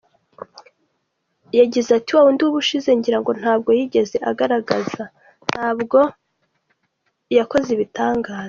Yagize ati “Wawundi w’ubushize ngira ngo ntabwo yigeze agaragara, ntabwo yakoze ibitangaza.